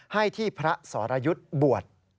ให้ที่พระสรยุทธ์บวช